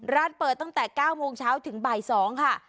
ร้านเปิดตั้งแต่๙โมงเช้าถึงบ่าย๒ค่ะ